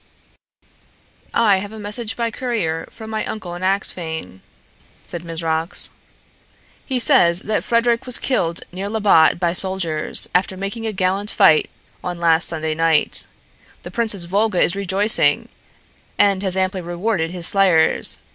"I have a message by courier from my uncle in Axphain," said Mizrox. "He says that Frederic was killed near Labbot by soldiers, after making a gallant fight, on last Sunday night. The Princess Volga is rejoicing, and has amply rewarded his slayers.